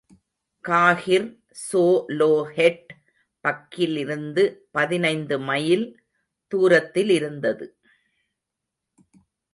காஹிர் ஸோலோஹெட் பக்கிலிருந்து பதினைந்து மைல் தூரத்திலிருந்தது.